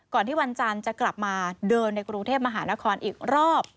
ที่วันจันทร์จะกลับมาเดินในกรุงเทพมหานครอีกรอบ